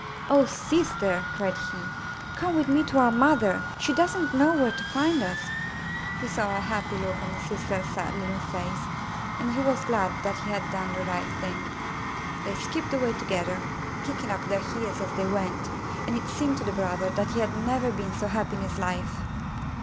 ''Oh, sister!" cried he. ''Come with me to our mother. She doesn't know where to find us." He saw a happy look on his sister's sad little 265 MYBOOK HOUSE face, and he was glad that he had done the right thing. They skipped away together, kicking up their heels as they went, and it seemed to the brother that he had never been so happy in his life.